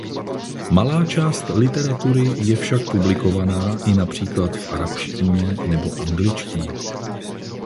Malá část literatury je však publikována i například v arabštině nebo angličtině.